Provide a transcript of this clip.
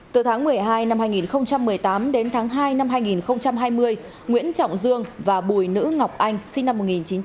từ tháng một mươi hai năm hai nghìn một mươi tám đến tháng hai năm hai nghìn hai mươi nguyễn trọng dương và bùi nữ ngọc anh sinh năm một nghìn chín trăm tám mươi